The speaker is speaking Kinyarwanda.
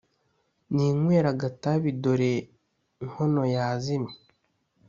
ninywere agatabi dore nkono yazimye